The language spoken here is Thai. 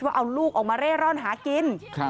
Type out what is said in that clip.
ว่าเอาลูกออกมาเร่ร่อนหากิน